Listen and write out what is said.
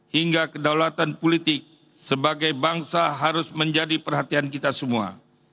hingga kedaulatan politik sebagai bangsa harus menjadi perhatian kita semua